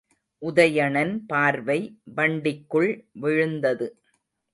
உதயணன் பார்வை வண்டிக்குள் விழுந்தது.